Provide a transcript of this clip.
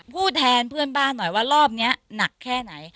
พูดแทนเพื่อนบ้านหน่อยว่ารอบนี้หนักแค่ไหน